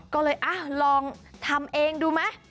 ก็เลยลองทำเองดูไหม